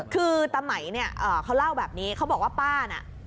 คือตะไหมเนี่ยเขาเล่าแบบนี้เขาบอกว่าป้าน่ะ